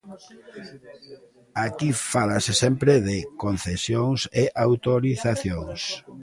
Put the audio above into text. Aquí fálase sempre de concesións e autorizacións.